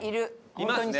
いますね。